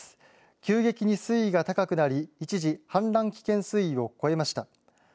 急激に水位が高くなり一時氾濫危険水位を超えました。